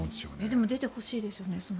でも出てほしいですよね。